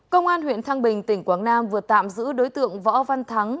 công an huyện thăng bình tỉnh quảng nam vừa tạm giữ đối tượng võ văn thắng